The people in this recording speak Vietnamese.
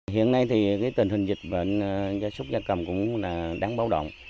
hiện nay tình hình dịch bệnh giá súc giá cầm cũng đáng báo động